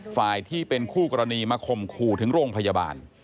ฝ่ายที่เป็นคู่กรณีมาข่มขู่ถึงโรงพยาบาล